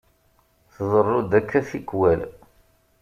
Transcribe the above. Tḍerru-d akka tikkwal.